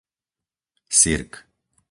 Sirk